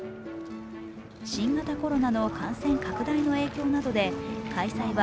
新型コロナの感染拡大の影響などで開催は